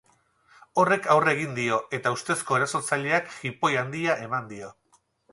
Horrek aurre egin dio, eta ustezko erasotzaileak jipoi handia eman dio.